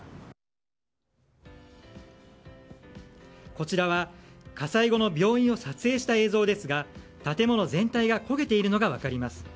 こちらは、火災後の病院を撮影した映像ですが建物全体が焦げているのが分かります。